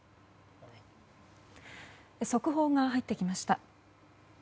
速報が入ってきました。